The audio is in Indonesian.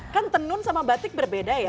kan tenun sama batik berbeda ya